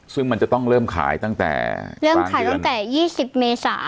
ซึ่งมันจะต้องเริ่มขายตั้งแต่เริ่มขายตั้งแต่๒๐เมษา